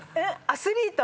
「アスリート」